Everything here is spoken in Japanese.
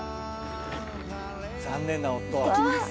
『残念な夫。』